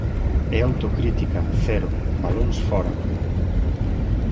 E autocrítica, cero; balóns fóra.